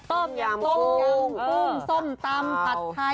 ต้มยามพรุงส้มตำผัดไทย